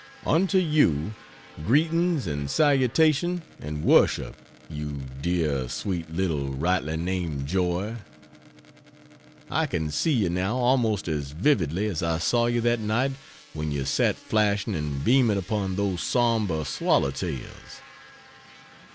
Unto you greetings and salutation and worship, you dear, sweet little rightly named Joy! I can see you now almost as vividly as I saw you that night when you sat flashing and beaming upon those sombre swallow tails.